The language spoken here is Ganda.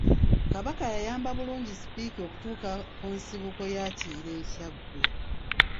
Kabaka yayamba bulungi Speke okutuuka ku nsibuko ya Kiyira e Kyaggwe.